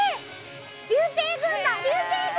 流星群だ流星群！